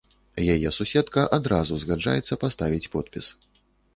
Яе суседка адразу згаджаецца паставіць подпіс.